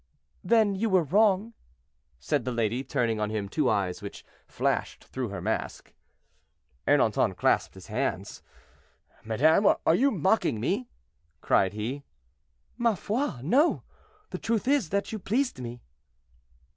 "Then you were wrong," said the lady, turning on him two eyes which flashed through her mask. Ernanton clasped his hands. "Madame, are you mocking me?" cried he. "Ma foi! no. The truth is, that you pleased me."